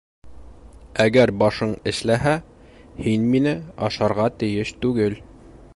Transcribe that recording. Әгәр башың эшләһә, һин мине ашарға тейеш түгел.